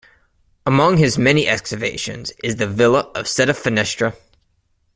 Among his many excavations is the villa of Settefinestre.